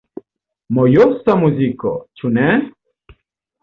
Mojosa muziko, ĉu ne?